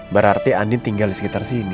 berarti andin tinggal di sekitar sini